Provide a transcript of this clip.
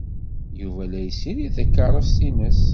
Yuba la yessirid takeṛṛust-nnes.